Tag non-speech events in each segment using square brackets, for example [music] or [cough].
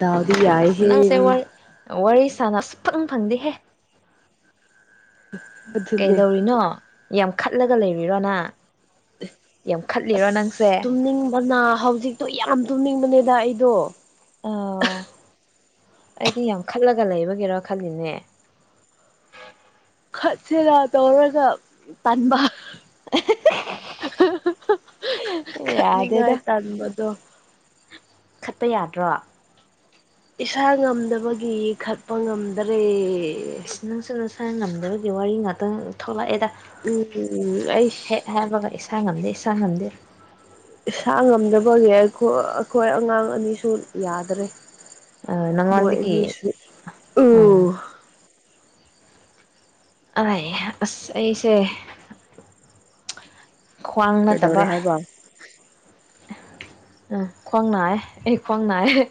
ꯗꯥꯎꯗꯤ ꯑꯁ ꯌꯥꯏꯍꯦ ꯅꯪꯁꯦ ꯋꯥꯔꯤ ꯋꯥꯔꯤ ꯁꯥꯟꯅ ꯑꯥ ꯁꯨꯡꯐꯪ ꯐꯪꯗꯤꯦꯍꯦ ꯑꯗꯨꯅꯦ ꯀꯩꯗꯧꯔꯤꯅꯣ ꯌꯥꯝ ꯈꯠꯂꯒ ꯂꯩꯔꯤꯔꯣ ꯅꯪ ꯌꯥꯝ ꯑꯁ ꯈꯠꯂꯤꯔꯣ ꯅꯪꯁꯦ ꯇꯨꯝꯅꯤꯡꯕꯅ ꯍꯧꯖꯤꯛꯇꯣ ꯌꯥꯝ ꯇꯨꯝꯅꯤꯡꯕꯅꯦꯗ ꯑꯩꯗꯣ ꯑꯣ ꯑꯩꯗꯤ ꯌꯥꯝ ꯈꯜꯂꯒ ꯂꯩꯕꯒꯤꯔ ꯈꯜꯂꯤꯅꯦ ꯈꯠꯁꯤꯔ ꯇꯧꯔꯒ ꯇꯟꯕ ꯈꯠꯅꯤꯡꯉꯥꯏ ꯌꯥꯗꯦꯗ ꯇꯥꯟꯕꯗꯣ ꯈꯠꯄ ꯌꯥꯗ꯭ꯔꯣ ꯏꯁꯥ ꯉꯝꯗꯕꯒꯤ ꯈꯠꯄ ꯉꯝꯗꯔꯦ ꯅꯪꯁꯨ ꯅꯁꯥ ꯉꯝꯗꯕꯒꯤ ꯋꯥꯔꯤ ꯉꯥꯛꯇꯪ ꯊꯣꯛꯂꯛꯑꯦꯗ ꯎꯝ ꯑꯩꯁ ꯍꯦꯛ ꯍꯥꯏꯕꯒ ꯏꯁꯥ ꯉꯝꯗꯦ ꯏꯁꯥ ꯉꯝꯗꯦ ꯏꯁꯥ ꯉꯝꯗꯕꯒꯤ ꯑꯩꯈꯣꯏ ꯑꯉꯥꯡ ꯑꯅꯤꯁꯨ ꯌꯥꯗ꯭ꯔꯦ ꯃꯣꯏ ꯅꯪꯉꯣꯟꯗꯒꯤ ꯑꯅꯤꯁꯨ ꯑꯥ ꯎꯝ ꯑꯥꯏꯌꯦ ꯑꯁ ꯑꯩꯁꯦ ꯈ꯭ꯋꯥꯡ ꯀꯩꯗꯧꯔꯦ ꯅꯠꯇꯕ ꯍꯥꯏꯕ ꯎ ꯈ꯭ꯋꯥꯡ ꯅꯥꯏꯑꯦ ꯑꯦ ꯈ꯭ꯋꯥꯡ ꯅꯥꯏꯑꯦ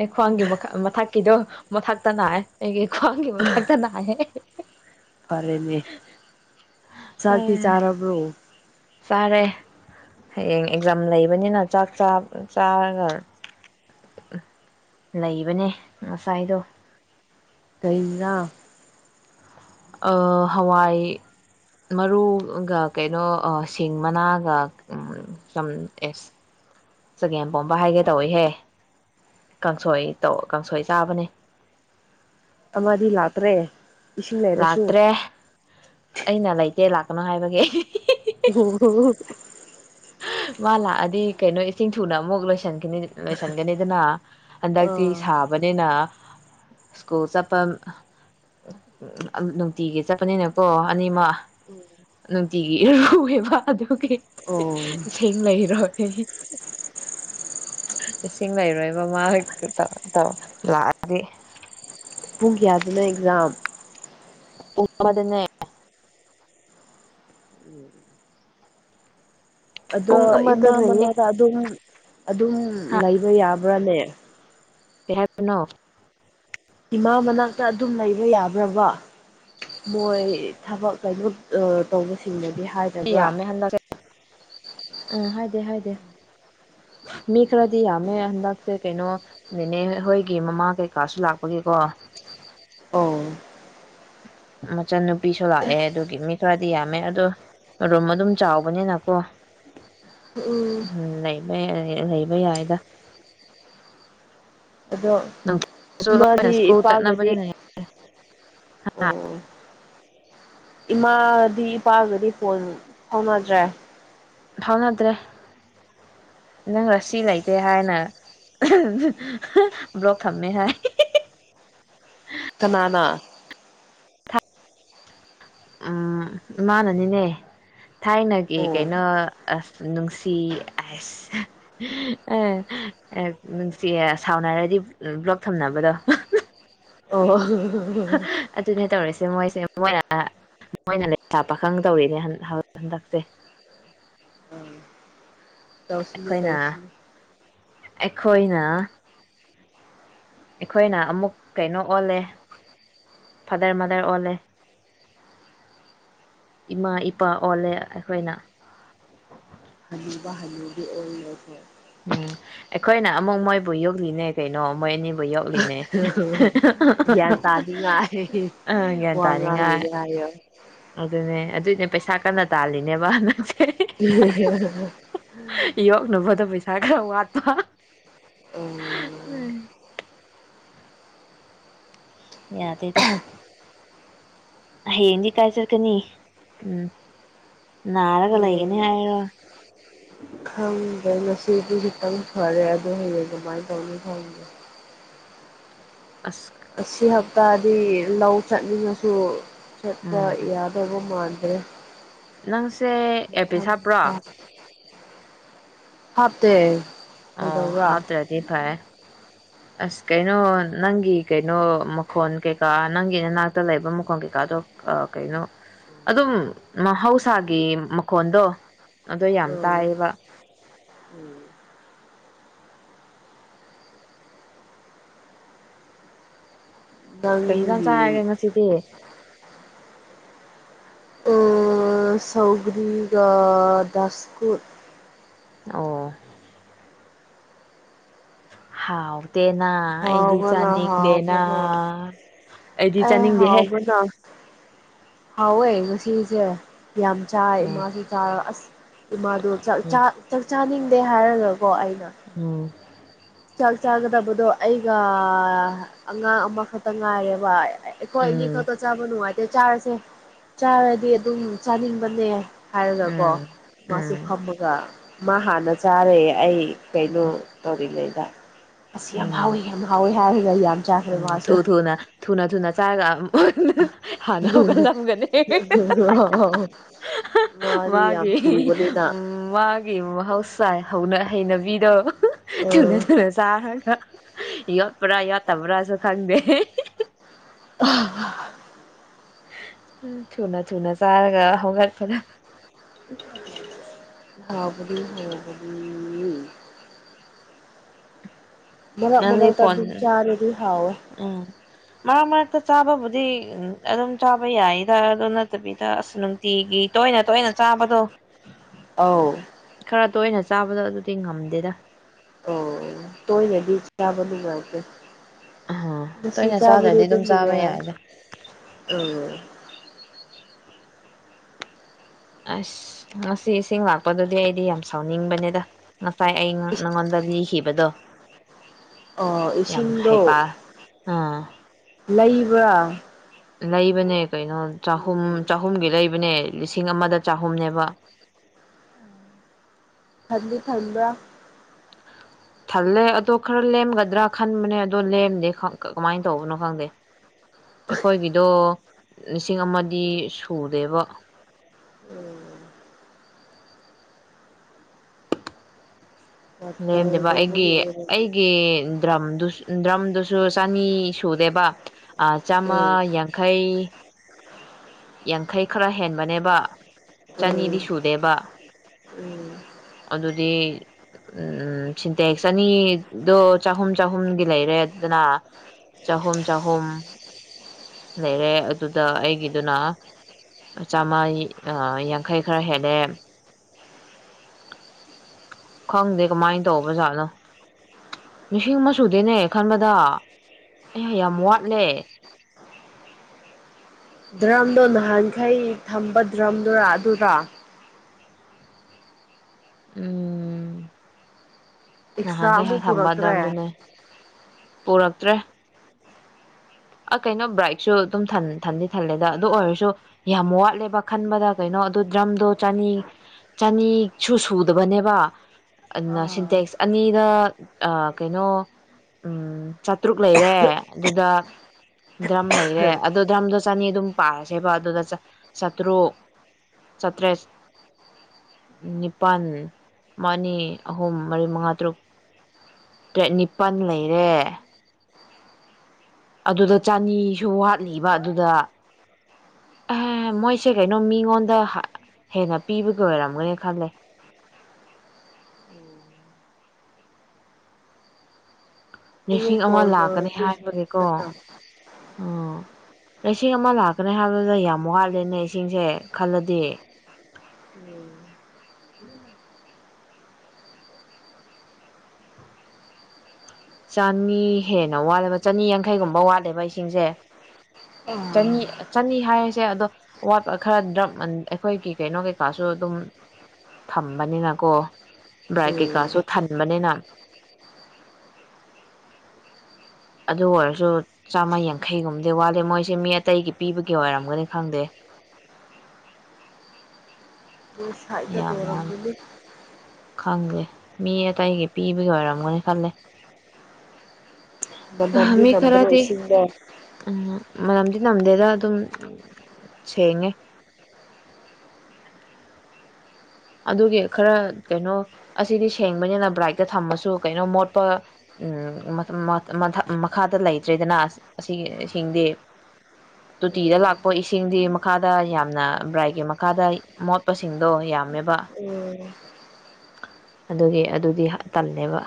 ꯑꯦ ꯈ꯭ꯋꯥꯡꯒꯤ ꯃꯈꯥ ꯃꯊꯛꯀꯤꯗꯣ ꯃꯊꯛꯇ ꯅꯥꯢ ꯑꯩꯒꯤ ꯈ꯭ꯋꯥꯡꯒꯤ ꯃꯊꯛꯇ ꯅꯥꯏꯌꯦ ꯐꯔꯦꯅꯦ ꯆꯥꯛꯇꯤ ꯆꯥꯔꯕ꯭ꯔꯣ ꯆꯥꯔꯦ ꯍꯌꯦꯡ ꯑꯦꯛꯖꯥꯝ ꯂꯩꯕꯅꯤꯅ ꯆꯥꯛ ꯆꯥꯔꯒ ꯂꯩꯕꯅꯦ ꯉꯁꯥꯏꯗꯣ ꯀꯩ ꯌꯦꯟꯁꯥꯡ ꯑꯥ ꯍꯋꯥꯏ ꯃꯔꯨꯒ ꯀꯩꯅꯣ ꯁꯤꯡ ꯃꯅꯥꯒ ꯁꯝ ꯑꯦꯁ [inaudible] ꯆꯒꯦꯝꯄꯣꯝꯕ ꯍꯥꯏꯒꯦ ꯇꯧꯋꯦꯍꯦ ꯀꯥꯡꯁꯣꯏ ꯇꯧ ꯀꯥꯡꯁꯣꯏ ꯆꯥꯕꯅꯦ ꯑꯃꯗꯤ ꯂꯥꯛꯇ꯭ꯔꯦ ꯏꯁꯤꯡ ꯂꯩꯔꯁꯨ ꯂꯥꯛꯇ꯭ꯔꯦ ꯑꯩꯅ ꯂꯩꯇꯦ ꯂꯥꯛꯀꯅꯨ ꯍꯥꯏꯕꯒꯤ ꯑꯣ ꯑꯣ ꯃꯥ ꯂꯥꯛꯑꯗꯤ ꯀꯩꯅꯣ ꯏꯁꯤꯡ ꯊꯨꯅ ꯑꯃꯨꯛ ꯂꯣꯏꯁꯟꯅꯤ ꯂꯣꯏꯁꯟꯒꯅꯤꯗꯅ ꯍꯟꯗꯛꯇꯤ ꯑꯥ ꯁꯥꯕꯅꯤꯅ ꯁ꯭ꯀꯨꯜ ꯆꯠꯄ ꯎꯝ ꯅꯨꯡꯇꯤꯒꯤ ꯆꯠꯄꯅꯤꯅꯀꯣ ꯑꯅꯤꯃꯛ ꯅꯣꯡꯃ [inaudible] ꯅꯨꯡꯇꯤꯒꯤ ꯏꯔꯨꯕ ꯑꯗꯨꯒꯤ ꯑꯣ ꯏꯁꯤꯡ ꯂꯩꯔꯣꯏ ꯏꯁꯤꯡ ꯂꯩꯔꯣꯏ ꯃꯃꯥ ꯍꯛꯇ ꯇ ꯇ ꯂꯥꯛꯑꯗꯤ ꯄꯨꯡ ꯀꯌꯥꯗꯅꯣ ꯑꯦꯛꯖꯥꯝ ꯄꯨꯡ ꯑꯃꯗꯅꯦ ꯎꯝ [inaudible] ꯑꯗꯣ ꯄꯨꯡ ꯑꯃꯗ ꯏꯃꯥ ꯂꯩꯌꯦ ꯃꯅꯥꯛꯇ ꯑꯗꯨꯝ ꯑꯗꯨꯝ ꯂꯩꯕ ꯌꯥꯕ꯭ꯔꯥꯅꯦ ꯀꯩ ꯍꯥꯏꯕꯅꯣ ꯏꯃꯥ ꯃꯅꯥꯛꯇ ꯑꯗꯨꯝ ꯂꯩꯕ ꯌꯥꯕ꯭ꯔꯕ ꯃꯣꯏ ꯊꯕꯛ ꯀꯩꯅꯣ ꯇꯧꯕꯁꯤꯡꯅꯗꯤ ꯍꯥꯏ ꯌꯥꯝꯃꯦ ꯍꯟꯗꯛꯁꯦ ꯎꯝ ꯍꯥꯏꯗꯦ ꯍꯥꯏꯗꯦ ꯃꯤ ꯈꯔꯗꯤ ꯌꯥꯝꯃꯦ ꯍꯟꯗꯛꯁꯦ ꯀꯩꯅꯣ ꯅꯦꯅꯦ ꯍꯣꯏꯒꯤ ꯃꯃꯥ ꯀꯩꯀꯥꯁꯨ ꯂꯥꯛꯄꯒꯤꯀꯣ ꯑꯣ ꯃꯆꯟꯅꯨꯄꯤꯁꯨ ꯂꯥꯛꯑꯦ ꯑꯗꯨꯒꯤ ꯃꯤ ꯈꯔꯗꯤ ꯌꯥꯝꯃꯦ ꯑꯗꯣ ꯔꯨꯝ ꯑꯗꯨꯝ ꯆꯥꯎꯕꯅꯤꯅꯀꯣ ꯎꯝ ꯂꯩꯕꯩ [unintelligible] ꯂꯩꯕ ꯌꯥꯏꯗ ꯑꯗꯣ ꯅꯨꯡꯊꯤꯜꯁꯨ ꯂꯣꯏꯅ ꯏꯃꯥꯗꯤ ꯁ꯭ꯀꯨꯜ ꯏꯄꯥꯒꯗꯤ ꯆꯠꯅꯕꯅꯤꯅ ꯑꯣ ꯏꯃꯥꯗꯤ ꯏꯄꯥꯒꯗꯤ ꯐꯣꯟ ꯐꯥꯎꯅꯗ꯭ꯔꯦ ꯐꯥꯎꯅꯗ꯭ꯔꯦ ꯅꯪ ꯔꯥꯁꯤ ꯂꯩꯇꯦ ꯍꯥꯏꯅ [unintelligible] ꯕ꯭ꯂꯣꯛ ꯊꯝꯃꯦ ꯍꯥꯏ ꯀꯅꯥꯅ ꯎꯝ ꯏꯃꯅꯅꯤꯅꯦ ꯊꯥꯏꯅꯒꯤ ꯑꯣ ꯀꯩꯅꯣ ꯑꯁ ꯅꯨꯡꯁꯤ ꯑꯏꯁ [unintelligible] ꯑꯦ ꯅꯨꯡꯁꯤ ꯁꯥꯎꯅꯔꯗꯤ ꯕ꯭ꯂꯣꯛ ꯊꯝꯅꯕꯗꯣ ꯑꯣ [unintelligible] ꯑꯗꯨꯅꯦ ꯇꯧꯔꯤꯁꯦ ꯃꯣꯏꯁꯦ ꯃꯣꯏꯅ ꯃꯣꯏꯅ ꯂꯩꯁꯥ ꯄꯥꯈꯪ ꯇꯧꯔꯤꯅꯦ ꯍꯟꯗꯛꯁꯦ [unintelligible] ꯇꯧꯁꯤꯅꯨ ꯑꯩꯈꯣꯏꯅ ꯇꯧꯁꯤꯅꯨ ꯑꯩꯈꯣꯏꯅ ꯑꯩꯈꯣꯏꯅ ꯑꯃꯨꯛ ꯀꯩꯅꯣ ꯑꯣꯜꯂꯦ ꯐꯥꯗꯔ ꯃꯥꯗꯔ ꯑꯣꯜꯂꯦ ꯏꯃꯥ ꯏꯄꯥ ꯑꯣꯜꯂꯦ ꯑꯩꯈꯣꯏꯅ [unintelligible] ꯎꯝ ꯑꯩꯈꯣꯏꯅ ꯑꯃꯨꯛ ꯃꯣꯏꯕꯨ ꯌꯣꯛꯂꯤꯅꯦ ꯀꯩꯅꯣ ꯃꯣꯏ ꯑꯅꯤꯕꯨ ꯌꯣꯛꯂꯤꯅꯦ ꯒ꯭ꯌꯥꯟ ꯇꯥꯅꯤꯡꯉꯥꯏ ꯑꯥ ꯒ꯭ꯌꯥꯟ ꯋꯥ ꯇꯥꯅꯤꯡꯉꯥꯏ ꯉꯥꯡꯉꯤꯅꯦ ꯍꯥꯏꯌꯣ ꯑꯗꯨꯅꯦ ꯑꯗꯨꯏꯅꯦ ꯄꯩꯁꯥ ꯀꯟꯅ ꯇꯥꯜꯂꯤꯅꯦꯕ ꯅꯪꯁꯦ [unintelligible] ꯌꯣꯒꯅꯕꯗꯣ ꯄꯩꯁꯥ ꯈꯔꯥ ꯋꯥꯠꯄ ꯎꯝ [unintelligible] ꯌꯥꯗꯦꯗ ꯍꯌꯦꯡꯗꯤ ꯀꯥꯏ ꯆꯠꯀꯅꯤ ꯎꯝ ꯅꯥꯔꯒ ꯂꯩꯒꯅꯤ ꯍꯥꯏꯔꯣ ꯈꯪꯗꯦ ꯉꯁꯤꯗꯤ ꯈꯤꯇꯪ ꯐꯔꯦ ꯑꯗꯣ ꯍꯌꯦꯡ ꯀꯃꯥꯏꯟ ꯇꯧꯅꯤ ꯈꯪꯗꯦ ꯑꯁ ꯑꯁꯤ ꯍꯞꯇꯥꯗꯤ ꯂꯧ ꯆꯠꯅꯤꯡꯉꯁꯨ ꯆꯠꯄ ꯎꯝ ꯌꯥꯗꯧꯕ ꯃꯥꯟꯗ꯭ꯔꯦ ꯅꯪꯁꯦ ꯑꯦꯄꯤꯁ ꯍꯥꯞꯄ꯭ꯔꯣ ꯍꯥꯞꯇꯦ ꯑꯣ ꯀꯩꯗꯧꯕ꯭ꯔꯥ ꯍꯥꯞꯇ꯭ꯔꯗꯤ ꯐꯔꯦ ꯑꯁ ꯀꯩꯅꯣ ꯅꯪꯒꯤ ꯀꯩꯅꯣ ꯃꯈꯣꯟ ꯀꯩꯀꯥ ꯅꯪꯒꯤ ꯅꯅꯥꯛꯇ ꯂꯩꯕ ꯃꯈꯣꯟ ꯀꯩꯀꯥꯗꯣ ꯑ ꯀꯩꯅꯣ ꯑꯗꯨꯝ ꯃꯍꯧꯁꯥꯒꯤ ꯃꯈꯣꯟꯗꯣ ꯑꯗꯣ ꯌꯥꯝ ꯎꯝ ꯇꯥꯏꯌꯦꯕ [inaudible] ꯀꯩ ꯏꯟꯖꯥꯡ ꯆꯥꯔꯒꯦ ꯉꯁꯤꯗꯤ ꯑ ꯁꯧꯒ꯭ꯔꯤꯒ ꯗꯁꯀꯨꯠ ꯑꯣ ꯍꯥꯎꯇꯦꯅꯥ ꯑꯩꯗꯤ ꯍꯥꯎꯕꯅ ꯆꯥꯅꯤꯡꯗꯦꯅ ꯍꯥꯎꯕꯅ ꯑꯩꯗꯤ ꯑꯦ ꯆꯥꯅꯤꯡꯗꯦꯍꯦ [unintelligible] ꯍꯥꯎꯋꯦ ꯉꯁꯤꯁꯦ ꯌꯥꯝ ꯆꯥꯏ ꯎꯝ ꯏꯃꯥꯁꯨ ꯆ ꯑꯁ ꯏꯃꯥꯗꯣ ꯆꯥꯛ ꯆꯥ ꯆꯥꯛ ꯆꯥꯅꯤꯡꯗꯦ ꯍꯥꯏꯔꯒꯀꯣ ꯑꯩꯅ ꯎꯝ ꯆꯥꯛ ꯆꯥꯒꯗꯕꯗꯣ ꯑꯩꯒ ꯑꯉꯥꯡ ꯑꯃꯈꯛꯇ ꯉꯥꯏꯔꯦꯕ ꯑꯩꯈꯣꯏ ꯑꯅꯤ ꯎꯝ ꯈꯛꯇ ꯆꯥꯕ ꯅꯨꯡꯉꯥꯏꯇꯦ ꯆꯥꯔꯁꯦ ꯆꯥꯔꯗꯤ ꯑꯗꯨꯝ ꯆꯥꯅꯤꯡꯕꯅꯦ ꯎꯝ ꯍꯥꯏꯔꯒꯀꯣ ꯎꯝ ꯎꯝ ꯃꯥꯁꯨ ꯐꯝꯃꯒ ꯃꯥ ꯍꯥꯟꯅ ꯆꯥꯔꯦ ꯑꯩ ꯎꯝ ꯀꯩꯅꯣ ꯇꯧꯔꯤꯉꯩꯗ ꯑꯁꯤ ꯌꯥꯝ ꯎꯝ ꯍꯥꯎꯋꯤ ꯌꯥꯝ ꯍꯥꯎꯋꯦ ꯍꯥꯏꯔꯒ ꯌꯥꯝ ꯆꯥꯈ꯭ꯔꯦ ꯎꯝ ꯃꯥꯁꯨ ꯊꯨ ꯊꯨꯅ ꯊꯨꯅ ꯊꯨꯅ ꯆꯥꯔꯒ ꯍꯥꯟꯅ ꯍꯧꯒꯠꯂꯝꯒꯅꯤ [unintelligible] ꯃꯥꯗꯤ ꯌꯥꯝ ꯃꯥꯒꯤ ꯊꯨꯕꯅꯤꯅ ꯎꯝ ꯃꯥ ꯒꯤ ꯃꯍꯧꯁꯥꯏ ꯍꯧꯅ ꯍꯩꯅꯕꯤꯗꯣ ꯊꯨꯅ ꯑꯥ ꯊꯨꯅ ꯆꯥꯔꯒ ꯌꯣꯠꯄ꯭ꯔꯥ ꯌꯣꯠꯇꯕ꯭ꯔꯥꯁꯨ ꯈꯪꯗꯦ [unintelligible] ꯊꯨꯅ ꯊꯨꯅ ꯆꯥꯔꯒ ꯍꯧꯒꯠꯄꯗꯣ ꯍꯥꯎꯕꯗꯤ ꯍꯥꯎꯕꯅꯤ ꯃꯔꯛ ꯅꯪꯗꯤ ꯃꯔꯛꯇ ꯑꯗꯨꯝ ꯐꯣꯟ ꯆꯥꯔꯗꯤ ꯍꯥꯎꯋꯦ ꯎꯝ ꯃꯔꯛ ꯃꯔꯛꯇ ꯆꯥꯕꯕꯨꯗꯤ ꯑꯗꯨꯝ ꯆꯥꯕ ꯌꯥꯏꯗ ꯑꯗꯨ ꯅꯠꯇꯕꯤꯗ ꯑꯁ ꯇꯤꯒꯤ ꯇꯣꯏꯅ ꯇꯣꯏꯅ ꯆꯥꯕꯗꯣ ꯑꯧ ꯈꯔ ꯇꯣꯏꯅ ꯆꯥꯕꯗꯣ ꯑꯗꯨꯗꯤ ꯉꯝꯗꯦꯗ ꯑꯣ ꯇꯣꯏꯅꯗꯤ ꯆꯥꯕ ꯅꯨꯡꯉꯥꯏꯇꯦ ꯑꯥ ꯗꯁꯨ ꯇꯣꯏꯅ ꯆꯥꯗ꯭ꯔꯗꯤ ꯆꯥꯕꯗꯨꯗꯤ ꯑꯗꯨꯝ ꯆꯥꯕ ꯅꯨꯡꯉꯥꯏ ꯌꯥꯏꯗ ꯑꯣ ꯑꯁ ꯉꯁꯤ ꯏꯁꯤꯡ ꯂꯥꯛꯄꯗꯨꯗꯤ ꯑꯩꯗꯤ ꯌꯥꯝ ꯁꯥꯎꯅꯤꯡꯕꯅꯤꯗ ꯉꯁꯥꯏ ꯑꯩꯉꯣꯟ ꯅꯪꯉꯣꯟꯗ ꯂꯤꯈꯤꯕꯗꯣ ꯑꯣ ꯌꯥꯝ ꯏꯁꯤꯡꯗꯣ ꯍꯩꯄꯥ ꯑꯥ ꯂꯩꯕ꯭ꯔꯥ ꯂꯩꯕꯅꯦ ꯀꯩꯅꯣ ꯎꯝ ꯆꯍꯨꯝ ꯎꯝ ꯆꯍꯨꯝꯒꯤ ꯂꯩꯕꯅꯦ ꯂꯤꯁꯤꯡ ꯑꯃꯗ ꯆꯍꯨꯝꯅꯦꯕ ꯊꯟꯗꯤ ꯊꯪꯕ꯭ꯔꯥ ꯊꯜꯂꯦ ꯑꯗꯣ ꯈꯔ ꯂꯦꯝꯒꯗ꯭ꯔꯥ ꯈꯟꯕꯅꯦ ꯑꯗꯣ ꯂꯦꯝꯗꯦ ꯀꯃꯥꯏꯟ ꯇꯧꯕꯅꯣ ꯈꯪꯗꯦ ꯑꯩꯈꯣꯏꯒꯤꯗꯣ ꯂꯤꯁꯤꯡ ꯑꯃꯗꯤ ꯁꯨꯗꯦꯕꯣ [unintelligible] ꯋꯥꯇꯔ ꯂꯦꯝꯗꯦꯕ ꯑꯩꯒꯤ ꯇꯧꯕꯒꯤ ꯑꯣꯏꯔꯝꯅꯤ ꯑꯩꯒꯤ ꯗ꯭ꯔꯝꯗꯨ ꯗ꯭ꯔꯝꯗꯨꯁꯨ ꯆꯅꯤ ꯁꯨꯗꯦꯕ ꯑ ꯆꯥꯃ ꯌꯥꯡꯈꯩ ꯌꯥꯡꯈꯩ ꯈꯔ ꯍꯦꯟꯕꯅꯦꯕ ꯎꯝ ꯆꯅꯤꯗꯤ ꯁꯨꯗꯦꯕ ꯎꯝ ꯑꯗꯨꯗꯤ [unintelligible] ꯁꯤꯟꯇꯦꯛꯁ ꯑꯅꯤ ꯗꯣ ꯆꯍꯨꯝ ꯆꯍꯨꯝꯒꯤ ꯂꯩꯔꯦ ꯑꯗꯨꯅ ꯆꯍꯨꯝ ꯆꯍꯨꯝ ꯂꯩꯔꯦ ꯑꯗꯨꯗ ꯑꯩꯒꯤꯗꯨꯅ ꯆꯥꯝꯃ ꯌꯥꯡꯈꯩ ꯈꯔ ꯍꯦꯜꯂꯦ ꯈꯪꯗꯦ ꯀꯃꯥꯏꯟ ꯇꯧꯕꯖꯥꯠꯅꯣ ꯂꯤꯁꯤꯡ ꯑꯃ ꯁꯨꯗꯦꯅꯦ ꯈꯟꯕꯗ ꯑꯌꯥ ꯌꯥꯝ ꯋꯥꯠꯂꯦ [inaudible] ꯗ꯭ꯔꯝꯗꯣ ꯅꯍꯥꯟꯈꯩ ꯊꯝꯕ ꯗ꯭ꯔꯝꯗꯨꯔꯥ ꯑꯗꯨꯔ ꯎꯝ ꯑꯦꯛꯁꯇ꯭ꯔꯥ ꯉꯍꯥꯟꯈꯩ ꯑꯃꯨꯛ [unintelligible] ꯊꯝꯕ ꯄꯨꯔꯛꯇ꯭ꯔꯦ ꯗ꯭ꯔꯝꯗꯨꯅꯦ ꯄꯨꯔꯛꯇ꯭ꯔꯦ ꯑ ꯀꯩꯅꯣ ꯕ꯭ꯔꯥꯏꯠꯁꯨ ꯑꯗꯨꯝ ꯊꯟ ꯊꯟꯗꯤ ꯊꯜꯂꯦꯗ ꯑꯗꯨ ꯑꯣꯏꯔꯁꯨ ꯌꯥꯝ ꯋꯥꯠꯂꯦꯕ ꯈꯟꯕꯗ ꯀꯩꯅꯣ ꯑꯗꯨ ꯗ꯭ꯔꯝꯗꯣ ꯆꯅꯤ ꯆꯅꯤꯁꯨ ꯁꯨꯗꯕꯅꯦꯕ ꯑꯗꯨꯅ ꯑꯥ ꯁꯤꯟꯇꯦꯛꯁ ꯑꯅꯤꯗ ꯑꯥ ꯀꯩꯅꯣ ꯎꯝ ꯆꯥꯇ꯭ꯔꯨꯛ ꯂꯩꯔꯦ ꯑꯗꯨꯗ ꯗ꯭ꯔꯝ ꯂꯩꯔꯦ ꯑꯗꯨꯠ ꯗ꯭ꯔꯝꯗ ꯆꯅꯤ ꯑꯗꯨꯝ ꯄꯥꯔꯁꯦꯕ ꯑꯗꯨꯗ ꯆꯥꯇ꯭ꯔꯨꯛ ꯆꯥꯇ꯭ꯔꯦꯠ ꯅꯤꯄꯥꯜ ꯃꯥꯅꯤ ꯑꯍꯨꯝ ꯃꯔꯤ ꯃꯉꯥ ꯇꯔꯨꯛ ꯇꯔꯦꯠ ꯅꯤꯄꯜ ꯂꯩꯔꯦ ꯑꯗꯨꯗ ꯆꯅꯤꯁꯨ ꯋꯥꯠꯂꯤꯕ ꯑꯗꯨꯗ ꯑꯍ ꯃꯣꯏꯁꯦ ꯀꯩꯅꯣ ꯃꯤꯉꯣꯟꯗ ꯍꯦꯟꯅ ꯄꯤꯕꯒꯤ ꯑꯣꯏꯔꯝꯒꯅꯤ ꯈꯜꯂꯦ ꯑꯃꯨꯛ ꯁꯤꯡ ꯑꯃ ꯀꯣꯜ ꯂꯥꯛꯀꯅꯤ ꯇꯧꯔꯗꯤ ꯍꯥꯏꯕꯒꯦꯀꯣ ꯁꯝꯃꯨꯗꯅ ꯑꯣ ꯏꯁꯤꯡ ꯑꯃ ꯂꯥꯛꯀꯅꯤ ꯍꯥꯏꯕꯗ ꯌꯥꯝ ꯋꯥꯠꯂꯦꯅꯦ ꯏꯁꯤꯡꯁꯦ ꯈꯜꯂꯗꯤ ꯎꯝ ꯆꯅꯤ ꯍꯦꯟꯅ ꯋꯥꯠꯂꯦꯕ ꯆꯅꯤ ꯌꯥꯡꯈꯩꯒꯨꯝꯕ ꯋꯥꯠꯂꯦꯕ ꯏꯁꯤꯡꯁꯦ ꯎꯝ ꯆꯅꯤ ꯆꯅꯤ ꯍꯥꯏꯔꯤꯁꯦ ꯑꯗꯣ ꯑꯋꯥꯠꯄ ꯈꯔ ꯗ꯭ꯔ ꯑꯩꯈꯣꯏꯒꯤ ꯀꯩꯅꯣ ꯀꯩꯀꯥꯁꯨ ꯑꯗꯨꯝ ꯊꯝꯕꯅꯤꯅ ꯀꯣ ꯭ꯔꯥꯏꯠ ꯀꯩꯀꯥꯁꯨ ꯅꯣꯏ ꯊꯟꯕꯅꯤꯅ ꯑꯗꯨ ꯑꯣꯏꯔꯁꯨ ꯆꯥꯝꯃ ꯌꯥꯡꯈꯩꯒꯨꯝꯕꯗꯤ ꯋꯥꯠꯂꯤꯦ ꯃꯣꯏꯁꯦ ꯃꯤ ꯑꯇꯩꯒꯤ ꯄꯤꯕꯒꯤ ꯑꯣꯏꯔꯝꯒꯅꯤ ꯈꯪꯗꯦ ꯁꯥꯏꯇ ꯌꯥꯝ ꯋꯥꯠꯂꯦ ꯇꯔꯝꯒ ꯈꯪꯗꯦ ꯃꯤ ꯑꯇꯩꯒꯤ ꯄꯤꯕꯒꯤ ꯑꯣꯏꯔꯝꯒꯅꯤ ꯈꯜꯂꯦ ꯃꯅꯝꯗꯤ ꯑꯃꯤ ꯅꯝꯗ꯭ꯔꯣ ꯈꯔꯗꯤ ꯏꯁꯤꯡꯗꯣ ꯎꯝ ꯃꯔꯅꯝꯗꯤ ꯅꯝꯗꯦꯗ ꯑꯗꯨꯝ ꯁꯦꯡꯉꯦ ꯑꯗꯨꯒꯤ ꯈꯔ ꯀꯩꯅꯣ ꯑꯁꯤꯗꯤ ꯁꯦꯡꯕꯅꯤꯅ ꯕ꯭ꯔꯥꯏꯛꯇ ꯊꯝꯃꯁꯨ ꯀꯩꯅꯣ ꯃꯣꯠꯄ ꯎꯝ ꯃꯈꯥꯗ ꯂꯩꯇ꯭ꯔꯦꯗꯅ ꯑꯁꯤꯁꯤꯡꯗꯤ [inaudible] ꯇꯣꯇꯤꯗ ꯂꯥꯛꯄ ꯏꯁꯤꯡꯗꯤ ꯃꯈꯥꯗ ꯌꯥꯝꯅ ꯕ꯭ꯔꯥꯏꯒꯤ ꯃꯈꯥꯗ ꯃꯣꯠꯄꯁꯤꯡꯗꯣ ꯌꯥꯝ ꯃ ꯋꯥ ꯎꯝ ꯑꯗꯨꯒꯤ ꯑꯗꯨꯗꯤ ꯇꯜꯂꯦꯕ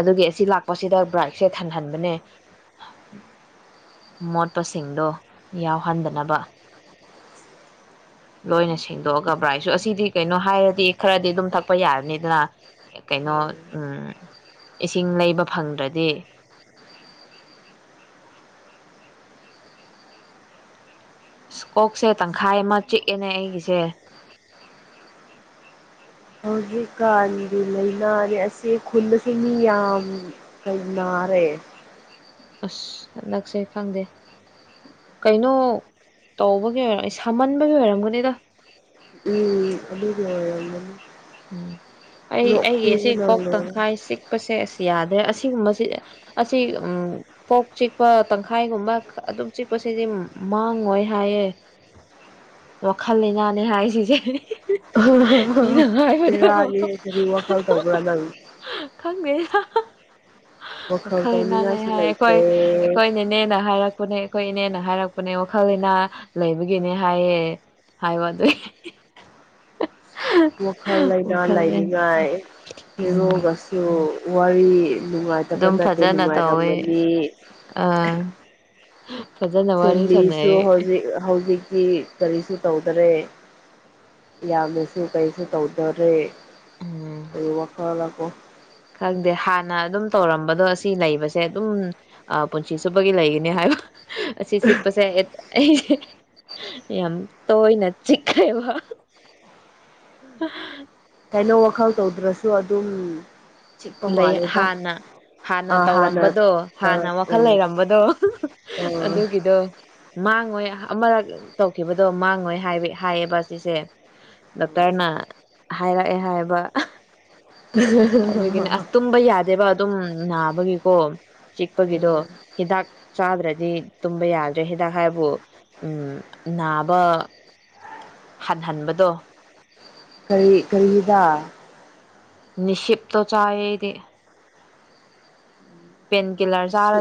ꯑꯗꯨꯒꯤ ꯑꯁꯤ ꯂꯥꯛꯄꯁꯤꯗ ꯕ꯭ꯔꯥꯏꯛꯁꯦ ꯊꯟꯍꯟꯕꯅꯦ ꯃꯣꯠꯄꯁꯤꯡꯗꯣ ꯌꯥꯎꯍꯟꯗꯅꯕ ꯂꯣꯏꯅ ꯁꯦꯡꯗꯣꯛꯑꯒ ꯕ꯭ꯔꯥꯏꯁꯨ ꯑꯁꯤꯗꯤ ꯀꯩꯅꯣ ꯍꯥꯏꯔꯗꯤ ꯈꯔꯗꯤ ꯑꯗꯨꯝ ꯊꯛꯄ ꯌꯥꯔꯅꯤ ꯑꯗꯨꯅ ꯀꯩꯅꯣ ꯎꯝ ꯏꯁꯤꯡ ꯂꯩꯕ ꯐꯪꯗ꯭ꯔꯗꯤ ꯁ ꯀꯣꯛꯁꯦ ꯇꯪꯈꯥꯏ ꯑꯃ ꯆꯤꯛꯑꯦꯅꯦ ꯑꯩꯒꯤꯁꯦ ꯍꯧꯖꯤꯛꯀꯥꯟꯗꯤ ꯂꯥꯏꯅꯥꯅꯤ ꯑꯁꯤ ꯈꯨꯜ ꯑꯁꯤ ꯃꯤ ꯌꯥꯝ ꯀꯅꯥꯔꯦ ꯑꯁ ꯅꯛꯁꯦ ꯈꯪꯗꯦ ꯀꯩꯅꯣ ꯇꯧꯕꯒꯤ ꯑꯣꯏꯔꯝ ꯑꯩ ꯁꯥꯃꯟꯕꯒꯤ ꯑꯣꯏꯔꯝꯒꯅꯤꯗ ꯎꯝ ꯑꯗꯨꯗꯤ ꯎꯝ ꯑꯩ ꯑꯩꯒꯤ ꯑꯁꯤ ꯀꯣꯛ ꯇꯪꯈꯥꯏ ꯆꯤꯛꯄꯁꯦ ꯑꯁ ꯌꯥꯗ꯭ꯔꯦ ꯑꯁꯤꯒꯨꯝꯕꯁꯤ ꯑꯁꯤꯁꯤ ꯎꯝ ꯀꯣꯛ ꯆꯤꯛꯄ ꯇꯪꯈꯥꯏꯒꯨꯝꯕ ꯑꯗꯨꯝ ꯆꯤꯛꯄꯁꯤꯗꯤ ꯃꯥꯡꯉꯣꯏ ꯍꯥꯏꯌꯦ ꯋꯥꯈꯜ ꯂꯩꯅꯥꯅꯦ ꯍꯥꯏ ꯁꯤꯁꯦ ꯃꯤꯅ ꯍꯥꯏꯕꯗꯣ ꯄꯦꯔꯥꯅꯤ ꯈꯗꯤ ꯋꯥꯈꯜ ꯇꯧꯕ꯭ꯔꯥ ꯅꯪ ꯈꯪꯗꯦ ꯋꯥꯈꯜ ꯋꯥꯈꯜꯅꯥꯅꯦ ꯇꯧꯅꯤꯡꯉꯥꯏꯁꯨ ꯍꯥꯏ ꯑꯩꯈꯣꯏ ꯂꯩꯇꯦ ꯑꯩꯈꯣꯏꯅꯦ ꯏꯅꯦꯅ ꯍꯥꯏꯔꯛꯄꯅꯦ ꯑꯩꯈꯣꯏ ꯏꯅꯦꯅ ꯍꯥꯏꯔꯛꯄꯅꯦ ꯋꯥꯈꯜ ꯏꯅꯥ ꯂꯩꯕꯒꯤꯅꯦ ꯍꯥꯏꯌꯦ ꯍꯥꯏ ꯋꯥꯗ ꯋꯥꯜ ꯂꯩꯥꯏꯅꯥ ꯂꯥꯏꯅꯤꯡꯉꯥꯏ ꯎꯝ ꯍꯔꯣꯒꯁꯨ ꯋꯥꯔꯤ ꯅꯨꯡꯉꯥꯏꯇꯕ ꯑꯗꯨꯝ ꯅꯠꯇꯦ ꯐꯖꯅ ꯇꯧꯋꯦ ꯅꯨꯡꯉꯥꯏꯔꯝꯒꯅꯤ ꯑꯥ ꯐꯖꯅ ꯋꯥꯔꯤ ꯁꯥꯟꯅꯩ ꯐꯦꯃꯂꯤꯁꯨ ꯍꯧꯖꯤꯛ ꯍꯧꯖꯤꯛꯀꯤ ꯀꯔꯤꯁꯨ ꯇꯧꯗꯔꯦ ꯌꯥꯝꯅꯁꯨ ꯀꯔꯤꯁꯨ ꯇꯧꯗꯔꯦ ꯎꯝ ꯍ ꯋꯥꯈꯔꯂꯀꯣ ꯈꯪꯗꯦ ꯍꯥꯟꯅ ꯑꯗꯨꯝ ꯇꯧꯔꯝꯕꯗꯣ ꯑꯁꯤ ꯂꯩꯕꯁꯦ ꯑꯗꯨꯝ ꯄꯨꯟꯁꯤ ꯁꯨꯕꯒꯤ ꯂꯩꯒꯅꯤ ꯍꯥꯏꯕ ꯑꯁꯤ ꯆꯤꯛꯄꯁꯦ ꯑꯩꯁꯦ ꯌꯥꯝ ꯇꯣꯏꯅ ꯆꯤꯛꯈ꯭ꯔꯦꯕ ꯑ ꯀꯩꯅꯣ ꯋꯥꯈꯜ ꯇꯧꯗ꯭ꯔꯁꯨ ꯑꯗꯨꯝ ꯆꯤꯛꯄ ꯂꯩ ꯃꯥꯜꯂꯦꯗ ꯍꯥꯥꯟꯅ ꯍꯥꯟꯅ ꯑ ꯇꯧꯔꯝꯕꯗꯣ ꯍꯥꯟꯅ ꯇꯧꯔꯛ ꯋꯥꯈꯜ ꯎꯝ ꯂꯩꯔꯝꯕꯗꯣ ꯑ ꯑꯗꯨꯒꯤꯗꯣ ꯃꯥꯡꯉꯣꯏ ꯑꯃꯔꯛ ꯇꯧꯈꯤꯕꯗꯣ ꯃꯥꯡꯉꯣꯏ ꯍꯥꯏꯌꯦꯕ ꯁꯤꯁꯦ ꯗꯣꯛꯇꯔꯅ ꯍꯥꯏꯔꯛꯑꯦ ꯍꯥꯏꯕ ꯑꯗꯨꯒꯤꯅꯦ ꯑꯁ [inaudible] ꯇꯨꯝꯕ ꯌꯥꯗꯦꯕ ꯑꯗꯨꯝ ꯅꯥꯕꯒꯤꯀꯣ ꯎꯝ ꯆꯤꯛꯄꯒꯤꯗꯣ ꯍꯤꯗꯥꯛ ꯆꯥꯗ꯭ꯔꯗꯤ ꯇꯨꯝꯕ ꯌꯥꯗ꯭ꯔꯦ ꯍꯤꯗꯥꯛ ꯍꯥꯏꯕꯨ ꯎꯝ ꯅꯥꯕ ꯍꯥꯠꯍꯟꯍꯟꯕꯗꯣ ꯀꯔꯤ ꯀꯔꯤꯗ ꯅꯤꯤꯞꯇꯣ ꯆꯥꯌꯦꯦꯗꯤ ꯄꯦꯟ ꯀꯤꯂꯔ ꯃꯤꯁꯨ ꯆꯥꯔꯗꯤ